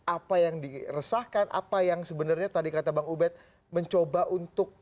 apa yang diresahkan apa yang sebenarnya tadi kata bang ubed mencoba untuk